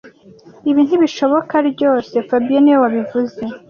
Ibi ntibishoboka ryose fabien niwe wabivuze